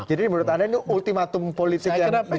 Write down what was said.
jadi menurut anda ini ultimatum politik yang dicanda saja